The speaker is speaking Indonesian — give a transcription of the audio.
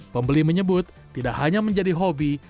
pembeli menyebut tidak hanya menjadi hobi